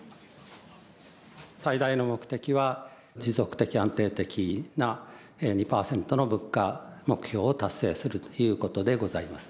最大の目的は、持続的、安定的な２％の物価目標を達成するということでございます。